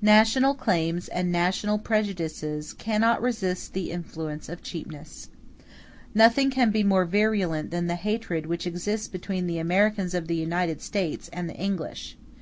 National claims and national prejudices cannot resist the influence of cheapness. Nothing can be more virulent than the hatred which exists between the Americans of the United States and the English.